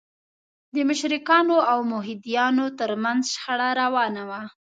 د مشرکانو او موحدینو تر منځ شخړه روانه وه.